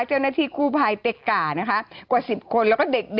เจ้าหน้าที่กู้ภัยเป็กก่านะคะกว่า๑๐คนแล้วก็เด็ก